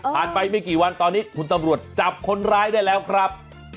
ไปไม่กี่วันตอนนี้คุณตำรวจจับคนร้ายได้แล้วครับ